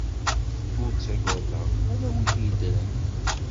Ur ttagadeɣ ala wid yeddren!